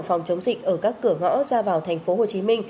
phòng chống dịch ở các cửa ngõ ra vào tp hcm